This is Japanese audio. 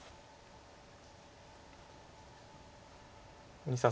大西さん